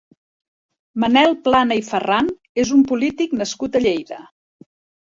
Manel Plana i Farran és un polític nascut a Lleida.